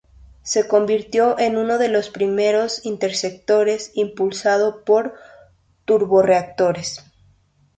Se convirtió en uno de los primeros interceptores impulsado por turborreactores.